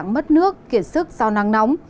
mất nước kiệt sức do nắng nóng